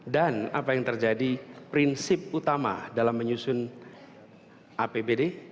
dan apa yang terjadi prinsip utama dalam menyusun apbd